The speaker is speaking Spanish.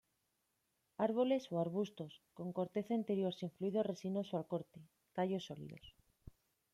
Árboles o arbustos, con corteza interior sin fluido resinoso al corte; tallos sólidos.